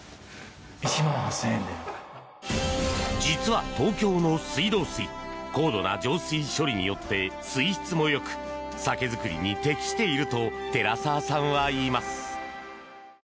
実は東京の水道水高度な浄水処理によって水質もよく酒造りに適していると寺澤さんはいいます。